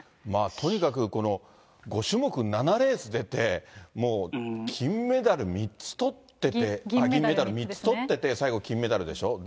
とにかく、この５種目７レース出て、もう、金メダル３つ取ってて、あっ、銀メダル３つとってて、最後金メダルでしょ。